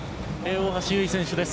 大橋悠依選手です。